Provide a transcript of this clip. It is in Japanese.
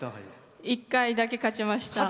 １回だけ勝ちました。